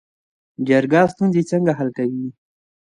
جرګه ستونزې څنګه حل کوي؟